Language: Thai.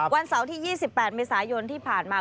วันเสาร์ที่๒๘เมษายนที่ผ่านมา